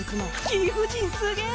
貴婦人すげぇ！